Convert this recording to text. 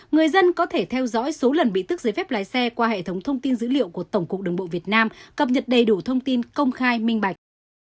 người dân có thể theo dõi số lần bị tức giấy phép lái xe qua hệ thống thông tin dữ liệu của tổng cục đường bộ việt nam cập nhật đầy đủ thông tin công khai minh bạch